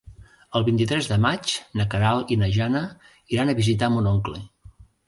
El vint-i-tres de maig na Queralt i na Jana iran a visitar mon oncle.